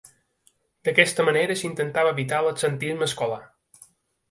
D'aquesta manera s'intentava evitar l'absentisme escolar.